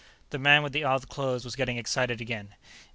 The man with the odd clothes was getting excited again.